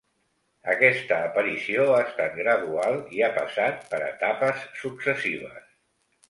Aquesta aparició ha estat gradual i ha passat per etapes successives.